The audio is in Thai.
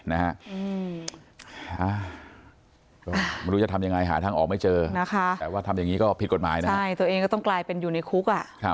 ไม่รู้จะทำยังไงหาทางออกไม่เจอนะคะแต่ว่าทำอย่างนี้ก็ผิดกฎหมายนะใช่ตัวเองก็ต้องกลายเป็นอยู่ในคุกอ่ะ